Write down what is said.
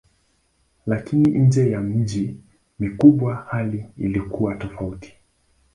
Lakini nje ya miji mikubwa hali ilikuwa tofauti.